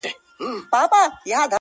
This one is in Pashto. قاسم یار سي لېونی پتنګ لمبه سي,